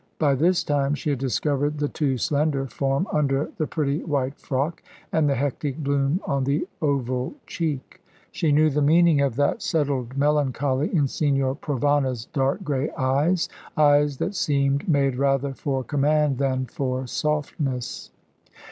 By this time she had discovered the too slender form under the pretty white frock, and the hectic bloom on the oval cheek. She knew the meaning of that settled melancholy in Signor Provana's dark grey eyes eyes that seemed made rather for command than for softness.